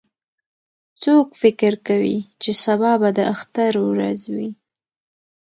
څوک فکر کوي چې سبا به د اختر ورځ وي